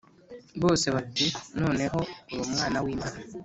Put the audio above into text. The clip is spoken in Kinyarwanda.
bose bati noneho uri umwana w imana